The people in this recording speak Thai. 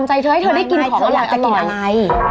ไม่เธออยากจะกินอะไร